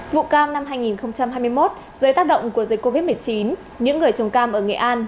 vụ cam năm hai nghìn hai mươi một dưới tác động của dịch covid một mươi chín những người trồng cam ở nghệ an